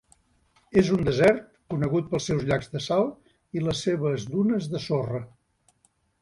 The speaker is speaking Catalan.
És un desert conegut pels seus llacs de sal i les seves dunes de sorra.